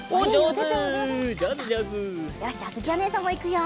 よしじゃああづきおねえさんもいくよ。